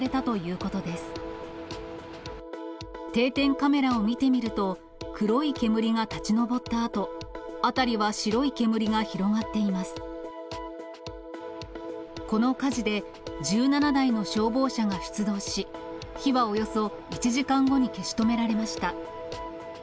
この火事で、１７台の消防車が出動し、火はおよそ１時間後に消し止められました。